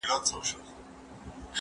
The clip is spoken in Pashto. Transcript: که وخت وي، پاکوالي ساتم!؟